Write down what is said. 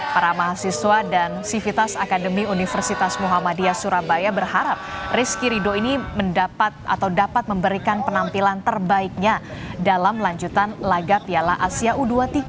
para mahasiswa dan sivitas akademi universitas muhammadiyah surabaya berharap rizky rido ini mendapat atau dapat memberikan penampilan terbaiknya dalam lanjutan laga piala asia u dua puluh tiga